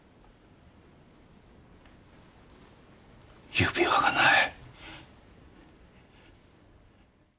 指輪がない。